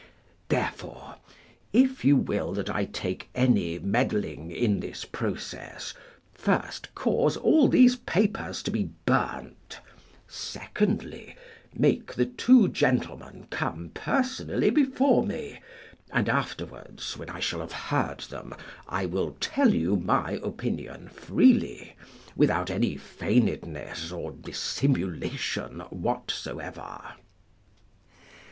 Therefore, if you will that I take any meddling in this process, first cause all these papers to be burnt; secondly, make the two gentlemen come personally before me, and afterwards, when I shall have heard them, I will tell you my opinion freely without any feignedness or dissimulation whatsoever.